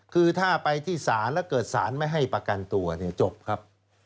คือถ้าไปที่ศาลแล้วเกิดสารไม่ให้ประกันตัวจบครับ